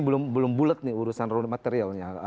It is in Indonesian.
iya jadi ini belum bulet nih urusan raw material nya